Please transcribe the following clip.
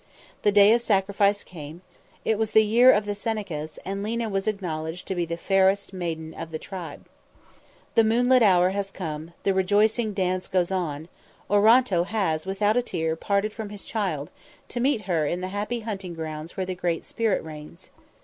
The day of sacrifice came; it was the year of the Senecas, and Lena was acknowledged to be the fairest maiden of the tribe. The moonlit hour has come, the rejoicing dance goes on; Oronto has, without a tear, parted from his child, to meet her in the happy hunting grounds where the Great Spirit reigns.